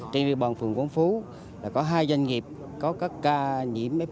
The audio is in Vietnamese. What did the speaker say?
trên địa bàn phường quảng phú có hai doanh nghiệp có các ca nhiễm f một